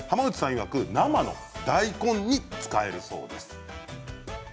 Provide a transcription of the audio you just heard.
いわく生の大根に使えるそうです。